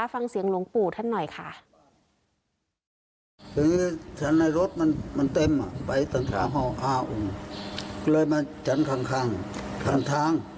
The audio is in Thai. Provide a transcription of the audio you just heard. ฟังเสียงหลวงปู่ท่านหน่อยค่ะ